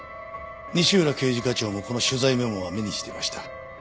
西浦刑事課長もこの取材メモは目にしていました。